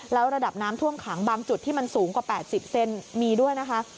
แล้วระดับน้ำท่วมขังบางจุดที่มันสูงกว่า๘๐เซนมีด้วยนะคะ